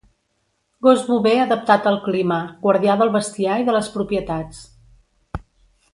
Gos bover adaptat al clima, guardià del bestiar i de les propietats.